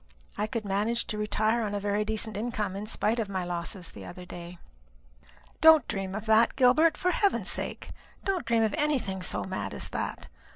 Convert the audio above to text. I could manage to retire upon a very decent income, in spite of my losses the other day." "Don't dream of that, Gilbert; for heaven's sake, don't dream of anything so mad as that.